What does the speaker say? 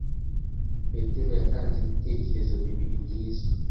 Peter yatanze ibitekerezo bibiri byiza.